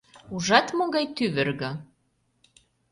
Ужат, могай тӱвыргӧ?